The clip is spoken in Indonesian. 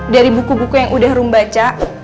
dari buku buku yang udah rum baca